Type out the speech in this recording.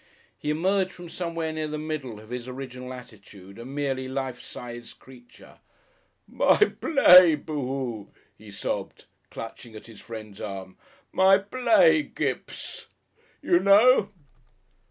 He emerged from somewhere near the middle of his original attitude, a merely life size creature. "My play, boo hoo!" he sobbed, clutching at his friend's arm. "My play, Kipps! (sob) You know?"